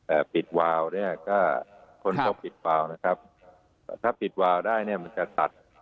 ปิดวาวเนี้ยก็คนก็ปิดวาวนะครับอ่าถ้าปิดวาวได้เนี้ยมันจะตัด